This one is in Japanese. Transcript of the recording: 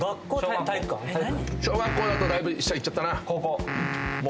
小学校だとだいぶ下いっちゃったな。